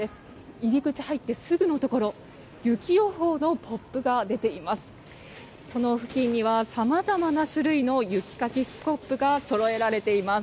入り口、入ってすぐのところ雪予報のポップが出ています。